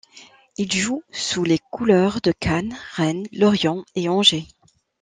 Il joue sous les couleurs de Cannes, Rennes, Lorient et Angers.